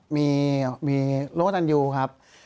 มีร่วมกับตันยูครับ